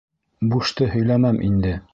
— Бушты һөйләмәм инде.